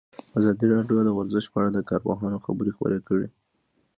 ازادي راډیو د ورزش په اړه د کارپوهانو خبرې خپرې کړي.